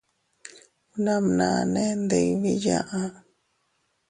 Bnamnane ndibii yaʼa.